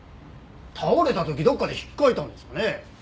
倒れた時どっかで引っかいたんですかね？